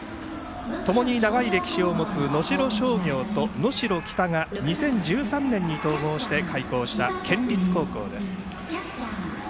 ともに長い歴史を持つ能代松陽と能代北が２０１３年に統合して開校した県立高校です。